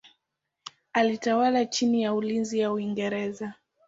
Alitawala chini ya ulinzi wa Uingereza.